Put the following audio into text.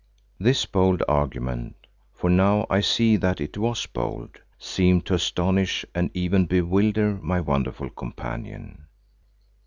This bold argument—for now I see that it was bold—seemed to astonish and even bewilder my wonderful companion.